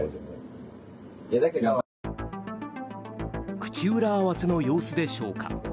口裏合わせの様子でしょうか？